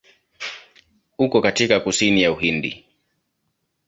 Uko katika kusini ya Uhindi.